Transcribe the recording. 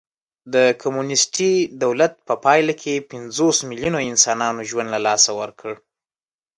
د کمونېستي دولت په پایله کې پنځوس میلیونو انسانانو ژوند له لاسه ورکړ